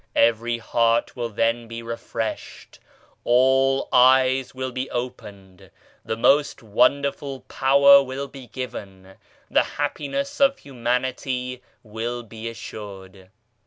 Every heart will then be refreshed, all eyes will be opened, the most wonderful power will be given, the happiness of humanity will be assured.